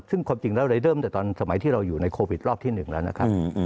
ซึ่งความจริงแล้วเลยเริ่มแต่ตอนสมัยที่เราอยู่ในโควิดรอบที่๑แล้วนะครับ